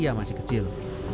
sejak ia masih kecil